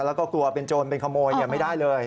แล้วก็กลัวเป็นโจรเป็นขโมยไม่ได้เลย